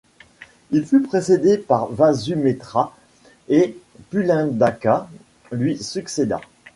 Il fut précédé par Vasumitra et Pulindaka lui succéda.